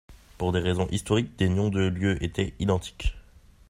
Pour des raisons historiques, des noms de lieux étaient identiques.